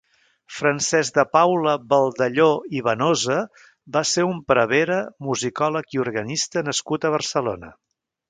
Francesc de Paula Baldelló i Benosa va ser un prevere musicòleg i organista nascut a Barcelona.